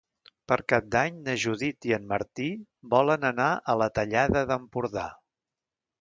Per Cap d'Any na Judit i en Martí volen anar a la Tallada d'Empordà.